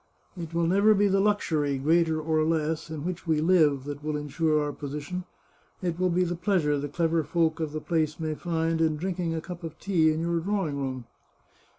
It will never be the luxury^ greater or lesS) in which we live, that will insure our position ; it will be the pleasure the clever folk of the place may find in drinking a cup of tea in your drawing room."